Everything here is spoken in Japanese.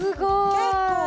結構。